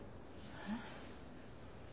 えっ？